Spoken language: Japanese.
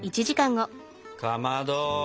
かまど